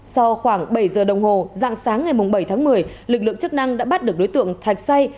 sau khoảng bảy giờ đồng hồ dạng sáng ngày bảy tháng một mươi lực lượng chức năng đã bắt được đối tượng thạch say